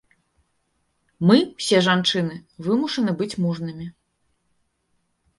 Мы, усе жанчыны, вымушаны быць мужнымі.